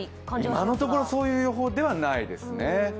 今のところそういう予報ではないですね。